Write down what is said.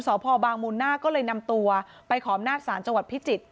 สพบางมูลน่าก็เลยนำตัวไปขอมนาฬสารจพิจิตร